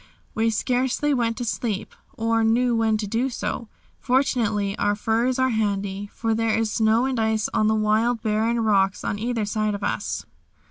We scarcely want to sleep, or know when to do so. Fortunately our furs are handy, for there is snow and ice on the wild, barren rocks on either side of us.